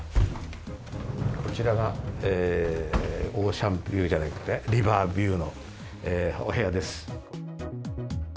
こちらがオーシャンビューじゃなくて、リバービューのお部屋です。